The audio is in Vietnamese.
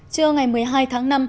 trưa ngày một mươi hai tháng năm